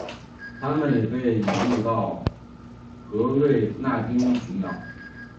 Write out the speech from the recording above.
它们也被引入到格瑞纳丁群岛。